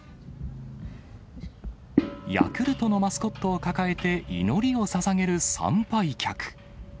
ヤクルトのマスコットを抱えて祈りをささげる参拝客。